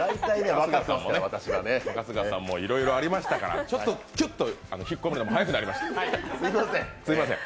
春日さんもいろいろありましたから引っ込むのも早くなりました。